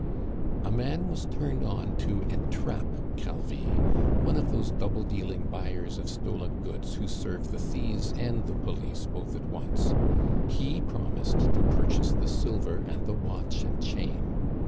A man was turned on to entrap Calvi, one of those double dealing buyers of stolen goods who serve the thieves and the police both at once; he promised to purchase the silver and the watch and chain.